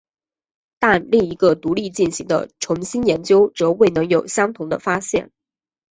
但另一个独立进行的重新研究则未能有相同的发现。